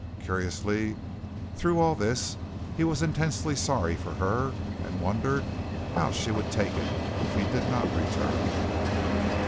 Curiously, through all this, he was intensely sorry for her, and wondered how she would take it, if he did not return.